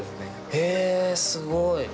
へぇすごい。